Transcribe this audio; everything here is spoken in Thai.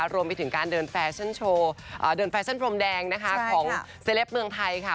รวมไปถึงการเดินแฟชั่นโดรมแดงของเซเลปเมืองไทย